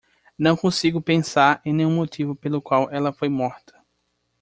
Não consigo pensar em nenhum motivo pelo qual ela foi morta.